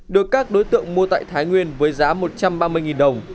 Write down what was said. được các đối tượng mua tại thái nguyên với giá một trăm ba mươi đồng